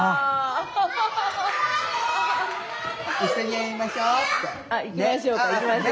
「一緒にやりましょう」って。